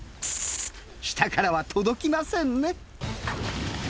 下からは届きませんね。